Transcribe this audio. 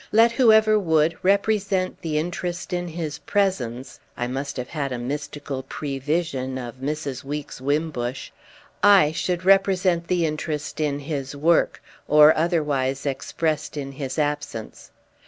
Let whoever would represent the interest in his presence (I must have had a mystical prevision of Mrs. Weeks Wimbush) I should represent the interest in his work—or otherwise expressed in his absence.